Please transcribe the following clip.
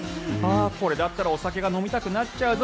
これだったらお酒が飲みたくなっちゃうぞ。